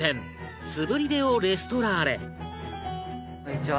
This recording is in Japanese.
こんにちは。